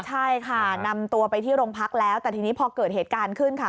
ใช่ค่ะนำตัวไปที่โรงพักแล้วแต่ทีนี้พอเกิดเหตุการณ์ขึ้นค่ะ